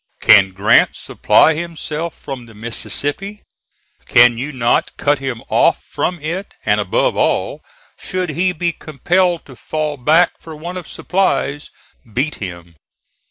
Can Grant supply himself from the Mississippi? Can you not cut him off from it, and above all, should he be compelled to fall back for want of supplies, beat him."